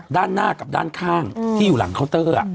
ด้านหน้ากับด้านข้างที่อยู่หลังเคาน์เตอร์